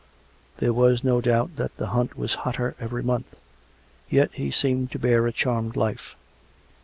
There was no doubt that the hunt was hotter every month; yet he seemed to bear a charmed life.